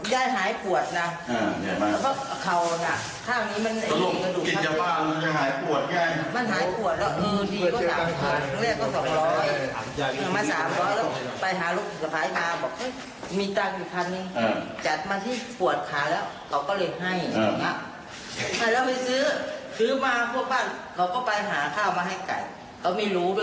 จัดมาที่ปวดขายแล้วเขาก็เลยให้ถ้ัยแล้วไปซื้อซื้อมาบ้านเขาก็ไปหาข้าวมาให้ไก่เขาไม่รู้ด้วยซ้ำ